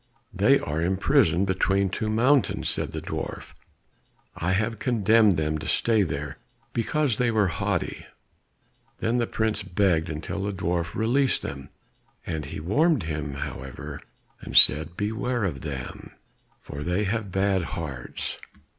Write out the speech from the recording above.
"They are imprisoned between two mountains," said the dwarf. "I have condemned them to stay there, because they were so haughty." Then the prince begged until the dwarf released them; but he warned him, however, and said, "Beware of them, for they have bad hearts."